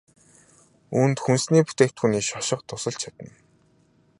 Үүнд хүнсний бүтээгдэхүүний шошго тусалж чадна.